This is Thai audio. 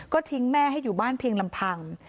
ก็ทิ้งแม่ให้อยู่บ้านเพียงลำพัง